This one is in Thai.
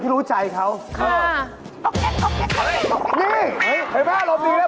ทีออกไปใน